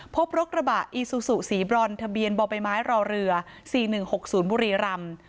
พบรถกระบะอีซูซูสีบรอนทะเบียนบ่อใบไม้รอเรือ๔๑๖๐บุรีรำ